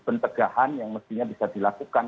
pencegahan yang mestinya bisa dilakukan